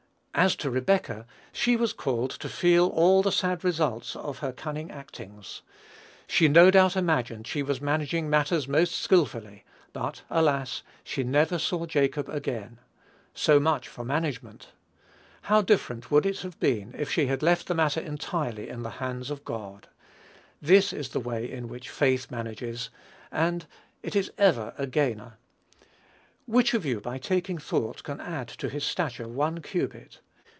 As to Rebekah, she was called to feel all the sad results of her cunning actings. She no doubt imagined she was managing matters most skilfully; but alas! she never saw Jacob again: so much for management! How different would it have been had she left the matter entirely in the hands of God. This is the way in which faith manages, and it is ever a gainer. "Which of you, by taking thought, can add to his stature one cubit?"